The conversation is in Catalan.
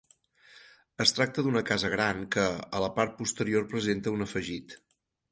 Es tracta d'una casa gran que, a la part posterior presenta un afegit.